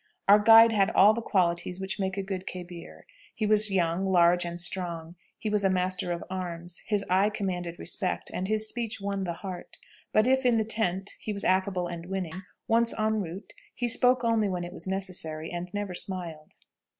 "Our guide had all the qualities which make a good khebir. He was young, large, and strong; he was a master of arms; his eye commanded respect, and his speech won the heart. But if in the tent he was affable and winning, once en route he spoke only when it was necessary, and never smiled."